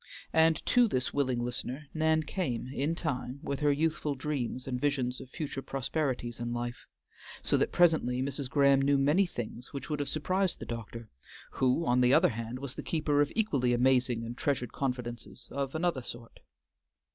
And to this willing listener Nan came in time with her youthful dreams and visions of future prosperities in life, so that presently Mrs. Graham knew many things which would have surprised the doctor, who on the other hand was the keeper of equally amazing and treasured confidences of another sort.